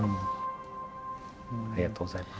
ありがとうございます。